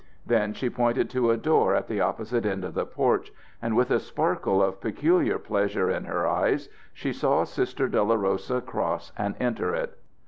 Then she pointed to a door at the opposite end of the porch, and with a sparkle of peculiar pleasure in her eyes she saw Sister Dolorosa cross and enter it.